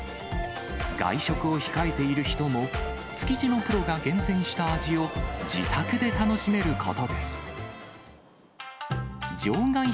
外食を控えている人も、築地のプロが厳選した味を、自宅で楽しめることです。